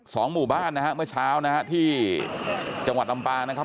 หมู่บ้านนะฮะเมื่อเช้านะฮะที่จังหวัดลำปางนะครับ